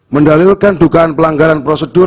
mendalilkan dugaan pelanggaran prosedur